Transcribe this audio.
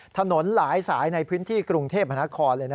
ถนนหลายสายในพื้นที่กรุงเทพฯมคเลยนะ